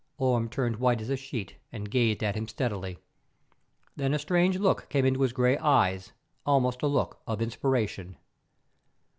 Orme turned white as a sheet and gazed at him steadily. Then a strange look came into his grey eyes, almost a look of inspiration.